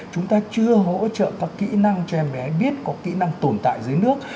chúng ta chưa hỗ trợ các kỹ năng cho em bé biết có kỹ năng tồn tại dưới nước